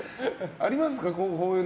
ありますか。